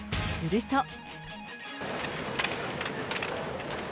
すると。